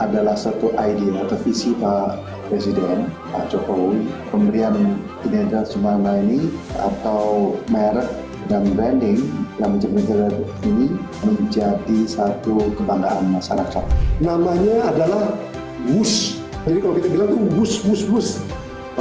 jadi kalau kita bilang itu hush hush hush